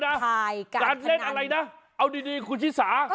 เดี๋ยวนะการเล่นอะไรนะเอาดีคุณฮิทริสา